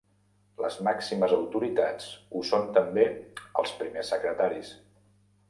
Les màximes autoritats ho són també els Primers Secretaris.